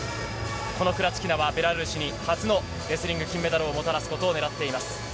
このクラチキナはベラルーシに初のレスリングの金メダルをもたらすことを狙っています。